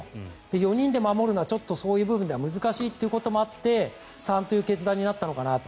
４人で守るのはちょっと難しいということもあって３という決断になったのかなと。